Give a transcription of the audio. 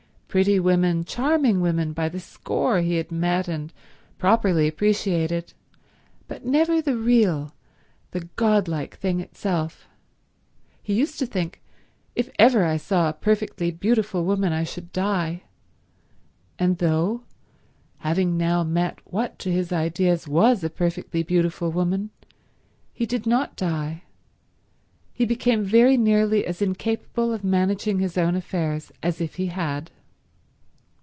Pretty women, charming women by the score he had met and properly appreciated, but never the real, the godlike thing itself. He used to think "If ever I saw a perfectly beautiful woman I should die"; and though, having now met what to his ideas was a perfectly beautiful woman, he did not die, he became very nearly as incapable of managing his own affairs as if he had.